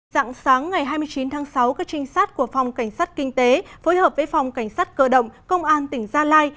dạng sáng ngày hai mươi chín tháng sáu các trinh sát của phòng cảnh sát kinh tế phối hợp với phòng cảnh sát cơ động công an tỉnh gia lai